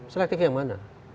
selektif yang mana